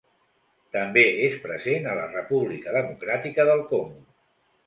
També és present a la República Democràtica del Congo.